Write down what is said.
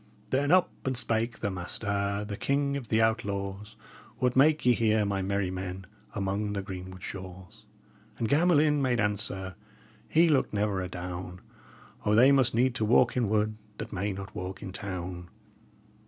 "Then up and spake the master, the king of the outlaws: 'What make ye here, my merry men, among the greenwood shaws?' And Gamelyn made answer he looked never adown: 'O, they must need to walk in wood that may not walk in town!'"